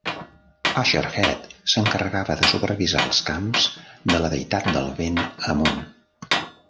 Userhet s'encarregava de supervisar els camps de la deïtat del vent Amun.